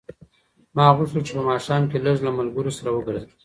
ما غوښتل چې په ماښام کې لږ له ملګرو سره وګرځم.